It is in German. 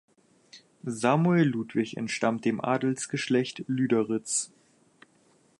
Samuel Ludwig entstammt dem Adelsgeschlecht Lüderitz.